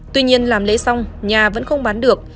tuy nhiên làm lấy xong nhà vẫn không bán được